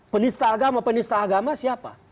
pendista agama pendista agama siapa